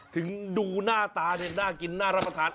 ถึงดูหน้าตาเนี่ยน่ากินน่ารับประทาน